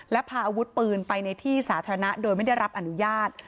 และพาอาวุธปืนไปในที่สาธารณะโดยไม่ได้รับอนุญาต